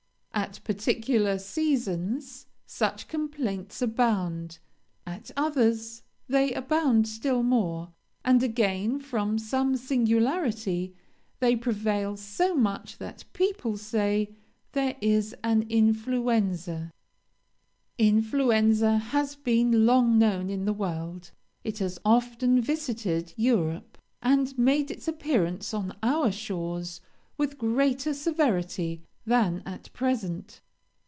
At particular seasons such complaints abound at others they abound still more; and again, from some singularity, they prevail so much that people say, there is an Influenza. "Influenza has been long known in the world. It has often visited Europe; and made its appearance on our shores with greater severity than at present.